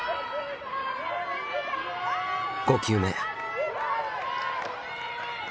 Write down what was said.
５球目。